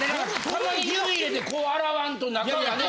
たまに指入れてこう洗わんと中がね。